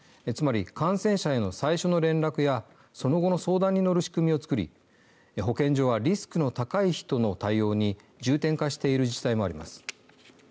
つまり感染者への最初の連絡やその後の相談に乗る仕組みを作り保健所はリスクの高い人の対応に重点化している自治体もあります。